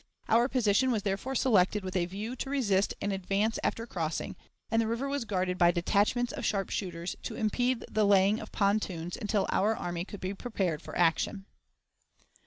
Our position was therefore selected with a view to resist an advance after crossing, and the river was guarded by detachments of sharpshooters to impede the laying of pontoons until our army could be prepared for action.